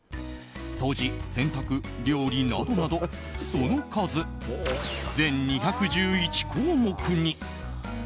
掃除、洗濯、料理などなどその数、全２１１項目に。